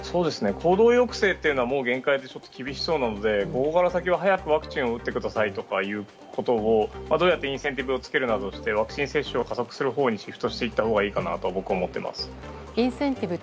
行動抑制というのはもう限界でちょっと厳しそうなのでここから先は早くワクチンを打ってくださいというようなことをどうやってインセンティブをつけるなどしてワクチン接種を加速するほうにシフトしていったほうがいいのかなと僕は思っています。